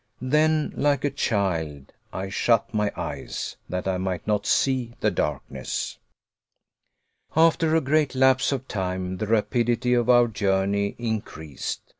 Then, like a child, I shut my eyes, that I might not see the darkness. After a great lapse of time, the rapidity of our journey increased.